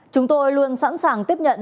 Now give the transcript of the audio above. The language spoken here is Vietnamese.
chúng tôi luôn sẵn sàng tiếp nhận